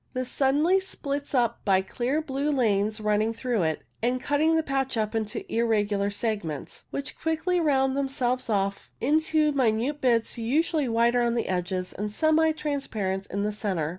This suddenly splits up by clear blue lanes running through it, and cut ting the patch up into irregular segments, which quickly round themselves off into minute bits usually whiter on their edges and semi transparent in the centre.